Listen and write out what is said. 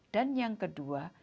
dan yang kedua